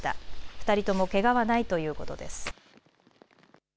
２人ともけがはないということです。